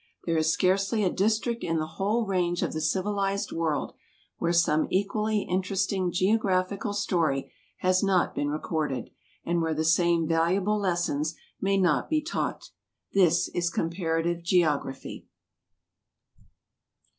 There is scarcely a district in the whole range of the civilized world where some equally interesting geographical story has not been recorded, and where the same valuable lessons may not be taught. This is comparative geography.